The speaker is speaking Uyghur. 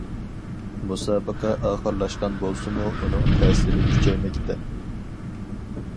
مۇسابىقە ئاخىرلاشقان بولسىمۇ، ئۇنىڭ تەسىرى كۈچەيمەكتە.